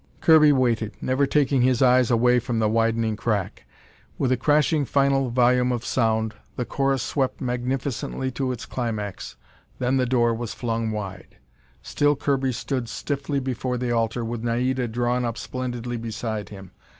Kirby waited, never taking his eyes away from the widening crack. With a crashing final volume of sound, the chorus swept magnificently to its climax. Then the door was flung wide. Still Kirby stood stiffly before the altar, with Naida drawn up splendidly beside him.